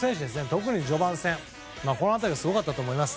特に序盤戦辺りはすごかったと思います。